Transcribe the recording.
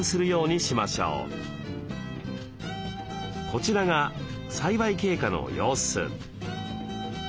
こちらが栽培経過の様子。